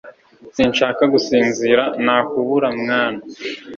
sinshaka gusinzira Nakubura mwana